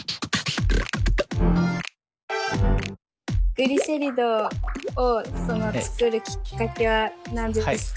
「グリセリド」を作るきっかけは何ですか？